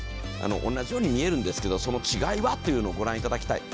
同じように見えるんですけれどもその違いを御覧いただきたい。